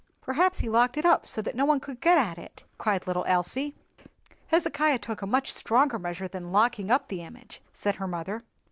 "Perhaps he locked it up, so that no one could get at it," cried little Elsie. "Hezekiah took a much stronger measure than locking up the image," said her mother.